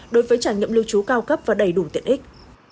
đối với trải nghiệm lưu trú cao cấp và đầy đủ tiện ích